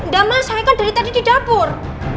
damai saya kan dari tadi di dapur